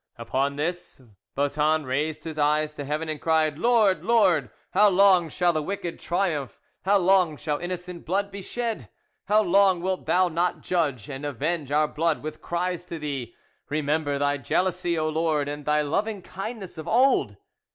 Upon this Baeton raised his eyes to heaven and cried, "Lord, Lord! how long shall the wicked triumph? How long shall innocent blood be shed? How long wilt Thou not judge and avenge our blood with cries to Thee? Remember Thy jealousy, O Lord, and Thy loving kindness of old!"